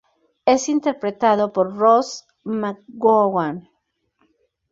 Es interpretado por Rose McGowan.